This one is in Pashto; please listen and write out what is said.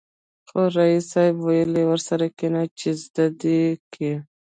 خو ريس صيب ويلې ورسره کېنه چې زده يې کې.